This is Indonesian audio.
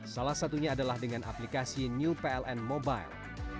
salah satunya adalah dengan aplikasi new pln mobile